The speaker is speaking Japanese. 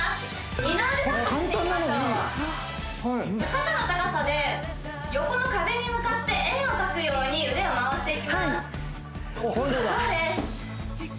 肩の高さで横の壁に向かって円を描くように腕を回していきますそうです